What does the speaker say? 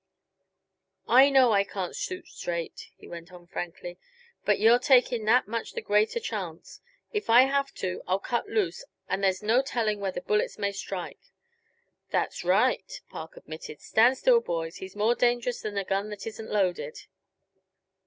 "I know I can't shoot straight," he went on frankly, "but you're taking that much the greater chance. If I have to, I'll cut loose and there's no telling where the bullets may strike." "That's right," Park admitted. "Stand still, boys; he's more dangerous than a gun that isn't loaded.